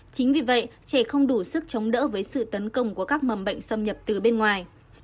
chính vì vậy trẻ không đủ sức chống đỡ với sự tấn công của các mầm bệnh xâm nhập từ bên ngoài